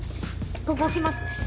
ここ置きますね。